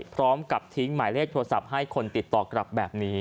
พร้อมกับทิ้งหมายเลขโทรศัพท์ให้คนติดต่อกลับแบบนี้